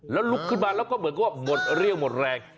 แล้วลุกขึ้นมาแล้วก็เหมือนกับว่าหมดเรี่ยวหมดแรง